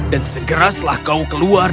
dan segera setelah kau keluar